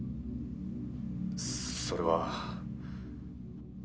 「それは」